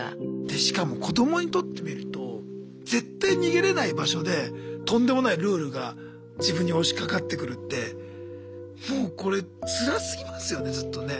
でしかも子どもにとってみると絶対逃げれない場所でとんでもないルールが自分に押しかかってくるってもうこれつらすぎますよねちょっとね。